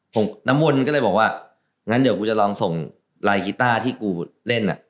ผมน้ำมนต์ก็เลยบอกว่างั้นเดี๋ยวกูจะลองส่งลายกีต้าที่กูเล่นอ่ะ